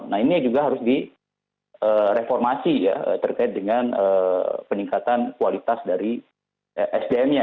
nah ini juga harus direformasi ya terkait dengan peningkatan kualitas dari sdm nya